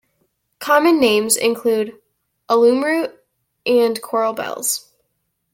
Common names include alumroot and coral bells.